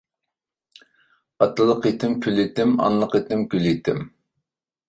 ئاتىلىق يېتىم كۈل يېتىم، ئانىلىق يېتىم گۈل يېتىم.